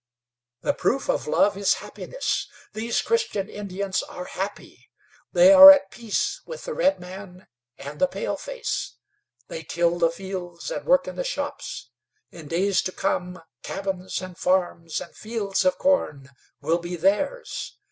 "The proof of love is happiness. These Christian Indians are happy. They are at peace with the redman and the paleface. They till the fields and work in the shops. In days to come cabins and farms and fields of corn will be theirs.